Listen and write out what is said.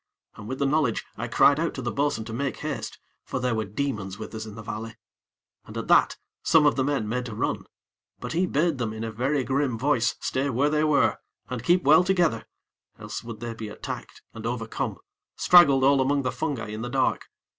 And with the knowledge, I cried out to the bo'sun to make haste, for there were demons with us in the valley. And at that, some of the men made to run; but he bade them, in a very grim voice, stay where they were, and keep well together, else would they be attacked and overcome, straggled all among the fungi in the dark.